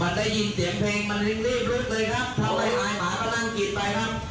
ได้ยินเสียงเพลงมันรีบลุกเลยครับทำอะไรไปหมาก็นั่งกินไปครับ